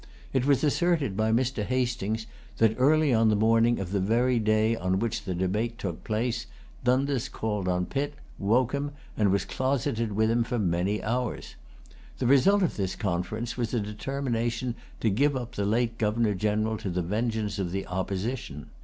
It was asserted by Mr. Hastings that, early on the morning of the very day on which the debate took place, Dundas called on Pitt, woke him, and was closeted with him many hours. The result of this conference was a determination to give up the late Governor General to the vengeance of the Opposition.